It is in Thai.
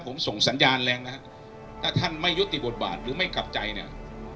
ผมส่งสัญญาณแรงนะฮะถ้าท่านไม่ยุติบทบาทหรือไม่กลับใจเนี่ย